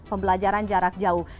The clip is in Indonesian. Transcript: pembelajaran jarak jauh